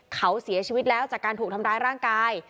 เขาเสียชีวิตแล้วจากการถูกทำร้ายร่างกาย